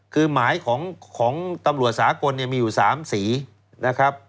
คือหมายของตำรวจสากลมีอยู่๓สีนะครับ